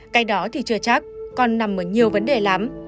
cái đó thì chưa chắc còn nằm ở nhiều vấn đề lắm